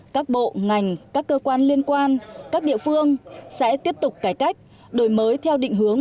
các bộ ngành các cơ quan liên quan các địa phương sẽ tiếp tục cải cách đổi mới theo định hướng